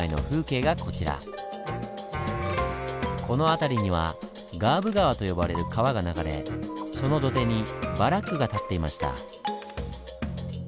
この辺りには「ガーブ川」と呼ばれる川が流れその土手にバラックが建っていました。